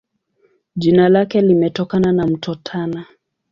Jina lake limetokana na Mto Tana.